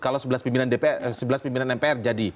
kalau sebelas pimpinan mpr jadi